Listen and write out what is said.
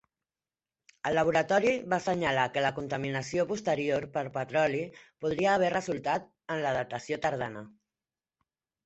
El laboratori va assenyalar que la contaminació posterior per petroli podria haver resultat en la datació tardana.